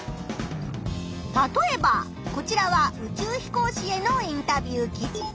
たとえばこちらは宇宙飛行士へのインタビュー記事。